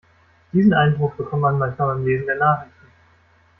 Diesen Eindruck bekommt man manchmal beim Lesen der Nachrichten.